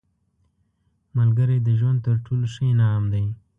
ملګری د ژوند تر ټولو ښه انعام دی